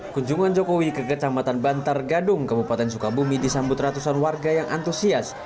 kunjungan jokowi ke kecamatan bantar gadung kabupaten sukabumi disambut ratusan warga yang antusias